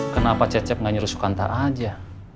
kenapa cecep gak nyuruh sukanta aja